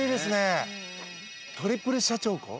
トリプルしゃちほこ。